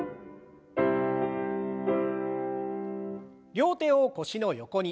両手を腰の横に。